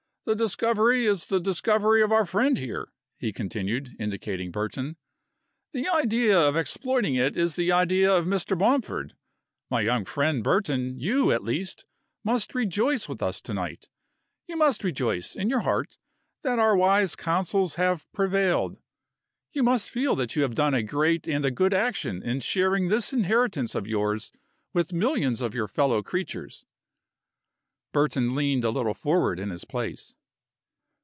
The discovery is the discovery of our friend here," he continued, indicating Burton. "The idea of exploiting it is the idea of Mr. Bomford. ... My young friend Burton, you, at least, must rejoice with us to night. You must rejoice, in your heart, that our wise counsels have prevailed. You must feel that you have done a great and a good action in sharing this inheritance of yours with millions of your fellow creatures." Burton leaned a little forward in his place.